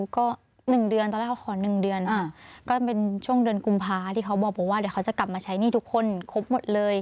ก็๑เดือนตอนแรกเขาขอ๑เดือนก็เป็นช่วงเดือนกุมภาที่เขาบอกผมว่าเดี๋ยวเขาจะกลับมาใช้หนี้ทุกคนครบหมดเลย